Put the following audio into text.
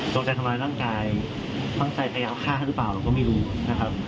โดนใจทำร้ายร่างกายตั้งใจพยายามฆ่าหรือเปล่าเราก็ไม่รู้นะครับ